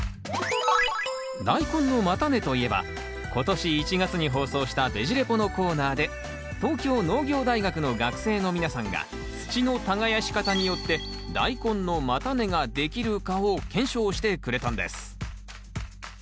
ダイコンの叉根といえば今年１月に放送したベジ・レポのコーナーで東京農業大学の学生の皆さんが土の耕し方によってダイコンの叉根ができるかを検証してくれたんです。